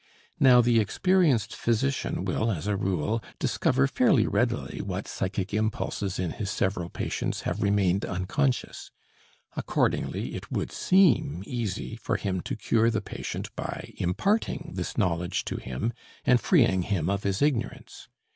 Now the experienced physician will, as a rule, discover fairly readily what psychic impulses in his several patients have remained unconscious. Accordingly it would seem easy for him to cure the patient by imparting this knowledge to him and freeing him of his ignorance.